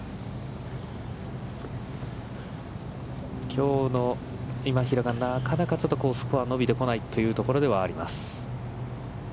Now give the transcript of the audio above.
きょうの今平がなかなかちょっと、スコア伸びてこないというところではあります。